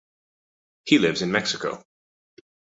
He lives in Mexico.